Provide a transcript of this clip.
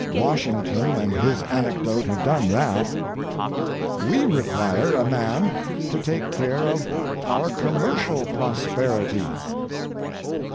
Washington and his anecdote have done that. We require a man to take care of our commercial prosperity."